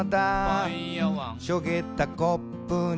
「しょげたコップに」